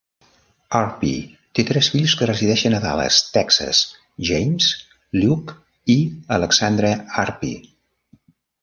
Arpey té tres fills que resideixen a Dallas, Texas: James, Luke i Alexandra Arpey.